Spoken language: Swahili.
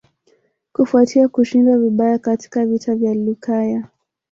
Kufuatia kushindwa vibaya katika vita vya Lukaya